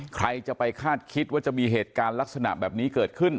ใครจะไปคาดคิดว่าจะมีเหตุการณ์ลักษณะแบบนี้เกิดขึ้น